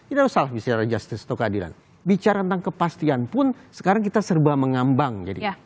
semakin jauh kita tidak harus salah bisa ada justice atau keadilan bicara tentang kepastian pun sekarang kita serba mengambang